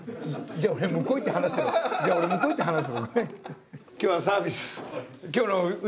じゃあ俺向こう行って話す。